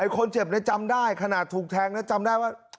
คนเจ็บจำได้ขนาดถูกแทงนะจำได้ว่า